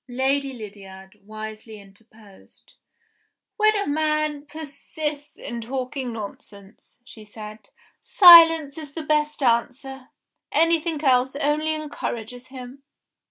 Lady Lydiard wisely interposed. "When a man persists in talking nonsense," she said, "silence is the best answer; anything else only encourages him."